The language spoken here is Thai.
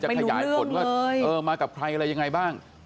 ไม่รู้เรื่องเลยมากับใครอะไรยังไงบ้าง